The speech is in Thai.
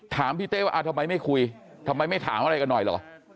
ถามพี่เต้ว่าทำไมไม่คุยทำไมไม่ถามอะไรกันหน่อยเหรอ